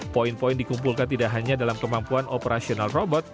poin poin dikumpulkan tidak hanya dalam kemampuan operasional robot